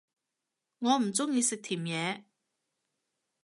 我唔鍾意食甜野